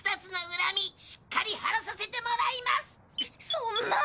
そんな！